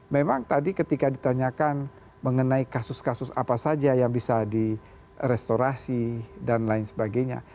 memang tadi ketika ditanyakan mengenai kasus kasus apa saja yang bisa di restorasi dan lain sebagainya